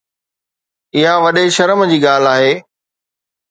اها وڏي شرم جي ڳالهه آهي